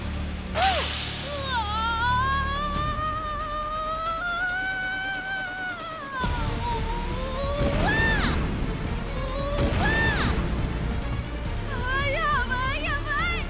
ああやばいやばい！